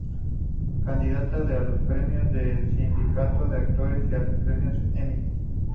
Candidata a los Premios del Sindicato de Actores y a los Premios Emmy.